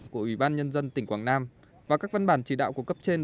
của ủy ban nhân dân tỉnh quảng nam và các văn bản chỉ đạo của cấp trên